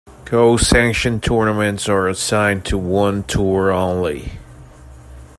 Co-sanctioned tournaments are assigned to one tour only.